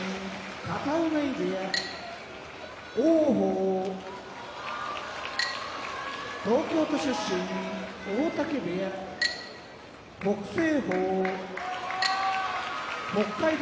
片男波部屋王鵬東京都出身大嶽部屋北青鵬北海道出身